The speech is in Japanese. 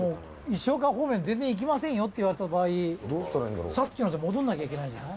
石岡方面全然行きませんよって言われた場合さっきのとこ戻んなきゃいけないんじゃない？